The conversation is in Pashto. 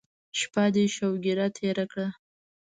شپه دې شوګیره تېره کړه.